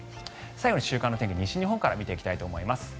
最後に週間予報を西日本から見ていきたいと思います。